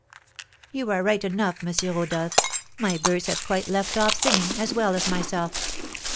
"You are right enough, M. Rodolph, my birds have quite left off singing, as well as myself.